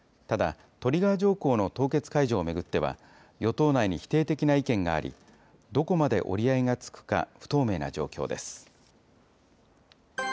ただ、トリガー条項の凍結解除を巡っては、与党内に否定的な意見があり、どこまで折り合いがつくか、不透明な状況です。